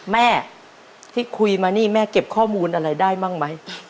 แม่ที่คุยมานี่แม่เก็บข้อมูลอะไรได้บ้างไหม